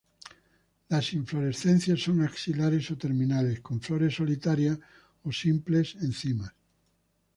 Las inflorescencias son axilares o terminales con flores solitarias o simples en cimas.